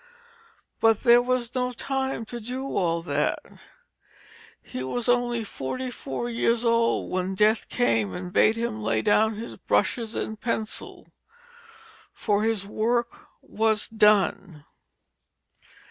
But there was no time to do all that. He was only forty four years old when Death came and bade him lay down his brushes and pencil, for his work was done.